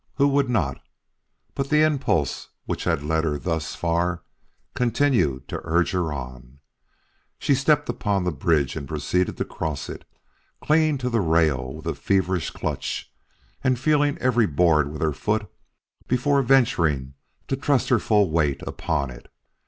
Who would not? But the impulse which had led her thus far continued to urge her on. She stepped upon the bridge and proceeded to cross it, clinging to the rail with a feverish clutch, and feeling every board with her foot before venturing to trust her full weight upon it.